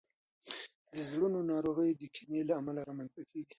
د زړونو ناروغۍ د کینې له امله رامنځته کیږي.